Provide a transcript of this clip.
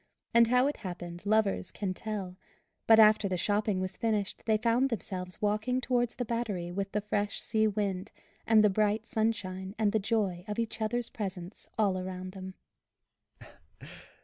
And how it happened lovers can tell, but after the shopping was finished they found themselves walking towards the Battery with the fresh sea wind, and the bright sunshine and the joy of each other's presence all around them.